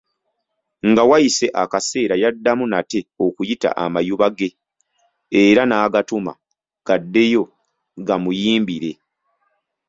Nga wayise akaseera, yaddamu nate okuyita amayuba ge era n'agatuma gaddeyo gamuyimbire.